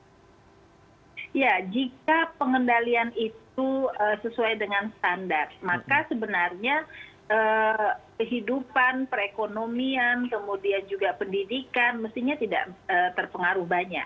ya jika pengendalian itu sesuai dengan standar maka sebenarnya kehidupan perekonomian kemudian juga pendidikan mestinya tidak terpengaruh banyak